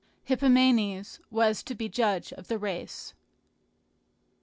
Hippomenes was to be judge of the race.